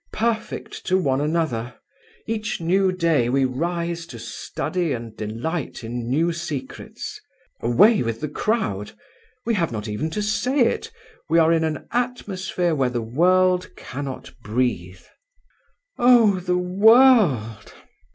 Perfect to one another! Each new day we rise to study and delight in new secrets. Away with the crowd! We have not even to say it; we are in an atmosphere where the world cannot breathe." "Oh, the world!"